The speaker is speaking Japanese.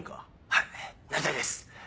はいなりたいです。